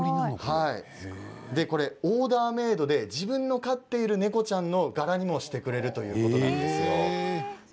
オーダーメードで自分の飼っている猫ちゃんの柄にもしてくれるということです。